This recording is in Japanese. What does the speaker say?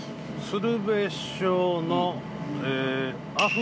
「鶴瓶師匠の」。